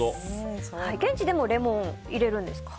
現地でもレモン入れるんですか？